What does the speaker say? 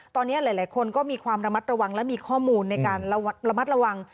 ตอนนี้หลายคนก็มีความระมัดระวังและมีข้อมูลในการระมัดระวัง